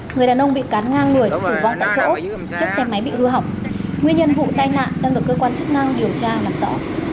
người đàn ông bị cắn ngang người tử vong tại chỗ chiếc xe máy bị hư hỏng nguyên nhân vụ tai nạn đang được cơ quan chức năng điều tra làm rõ